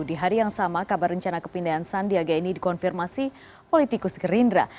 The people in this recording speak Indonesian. di hari yang sama kabar rencana kepindahan sandiaga ini dikonfirmasi politikus gerindra